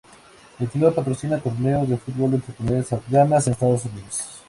El club patrocina torneos de fútbol entre comunidades Afganas en los Estados Unidos.